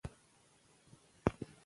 اداري فساد باور وژني